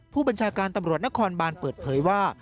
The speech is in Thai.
ผู้บัญชาการตำรวจนครบานเปิดเผยว่า